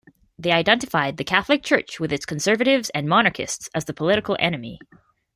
They identified the Catholic Church, with its conservatives and monarchists, as the political enemy.